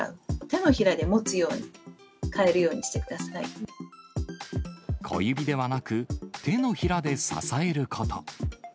手のひらで持つように、小指ではなく、手のひらで支えること。